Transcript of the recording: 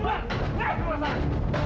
kamu gak apa apa sekar